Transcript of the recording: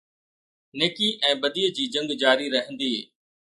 نيڪي ۽ بديءَ جي جنگ جاري رهندي.